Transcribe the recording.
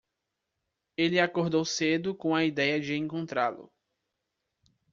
Ele acordou cedo com a ideia de encontrá-lo.